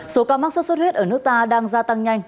số ca mắc sốt xuất huyết ở nước ta đang gia tăng nhanh